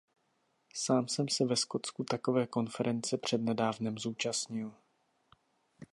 Sám jsem se ve Skotsku takové konference před nedávnem zúčastnil.